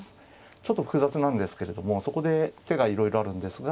ちょっと複雑なんですけれどもそこで手がいろいろあるんですが。